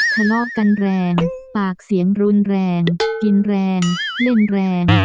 ทะเลาะกันแรงปากเสียงรุนแรงกินแรงเล่นแรง